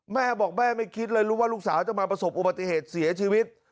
แม่บอกแม่ไม่คิดเลยรู้ว่าลูกสาวจะมาประสบอุบัติเหตุเสียชีวิต